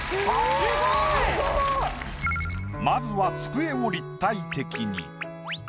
まずは机を立体的に。